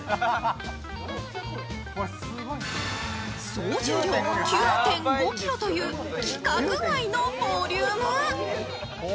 総重量９．５ｋｇという規格外のボリューム。